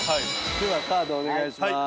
ではカードお願いします。